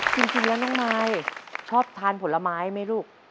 จริงแล้วน้องมายชอบทานผลไม้ไหมลูก